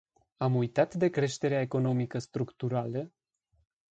Am uitat de creșterea economică structurală?